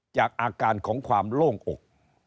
จากอาการของความโล่งอก